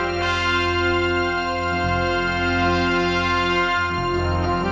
และที่เราอยากกลับไป